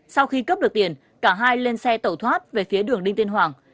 sau khi cướp được tiền cả hai lên xe tẩu thoát về phía đường đinh tiên hoàng